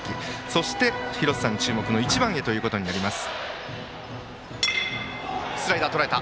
そして、廣瀬さん注目の１番へとなります。